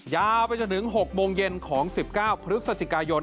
ยาวไปจนถึง๖โมงเย็นของ๑๙พฤศจิกายน